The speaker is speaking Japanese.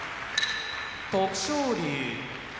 徳勝龍